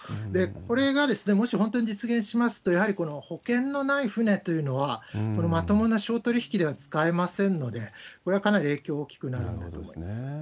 これがもし本当に実現しますと、この保険のない船というのは、これはまともな商取引では使えませんので、これはかなり影響大きくなるんだと思います。